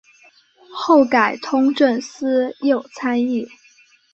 后改通政司右参议。